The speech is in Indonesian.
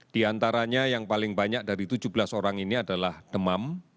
di antaranya yang paling banyak dari tujuh belas orang ini adalah demam